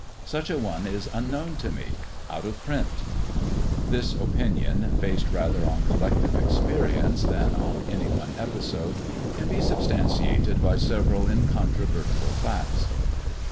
Such a one is unknown to me — out It. I opinion, based rather on collective experience than one episode, can be substantiated by several incon }ible facts.